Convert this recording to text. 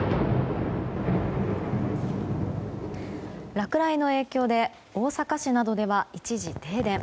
落雷の影響で大阪市などでは一時停電。